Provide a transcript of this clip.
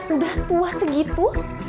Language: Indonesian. udah tua segitu